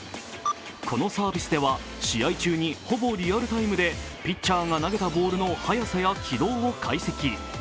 このサービスでは、試合中にほぼリアルタイムでピッチャーが投げたボールの速さや軌道を解析。